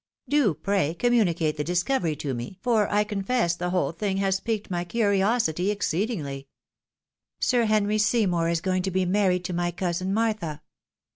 " Do, pray, communicate the discovery to me, for I confess the whole thing has piqued my curiosity exceedingly." " Sir Henry Seymour is going to be married to my cousin Martha."